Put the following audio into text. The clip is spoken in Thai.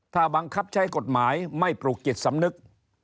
ถ้าบังคับใช้กฎหมายไม่ปลูกจิตสำนึก